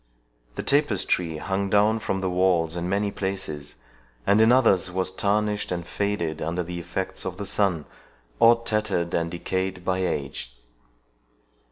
The tapestry hung down from the walls in many places, and in others was tarnished and faded under the effects of the sun, or tattered and decayed by age.